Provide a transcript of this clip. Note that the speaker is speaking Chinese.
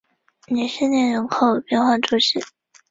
吕伊涅人口变化图示